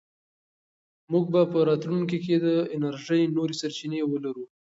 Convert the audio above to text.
موږ به په راتلونکي کې د انرژۍ نورې سرچینې ولرو.